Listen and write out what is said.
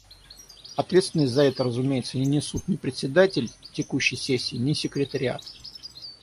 Ответственность за это, разумеется, не несут ни Председатель текущей сессии, ни Секретариат.